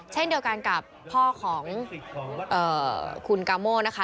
เช่นเดียวกันกับพ่อของคุณกาโม่นะคะ